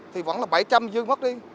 thì vẫn là bảy trăm linh dư mất đi